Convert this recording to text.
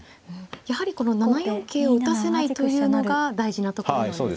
やはりこの７四桂を打たせないというのが大事なところなんですね。